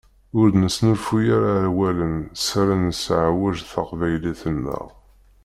Ur d-nesnulfuy ara awalen s ara nesseɛwej taqbaylit-nneɣ.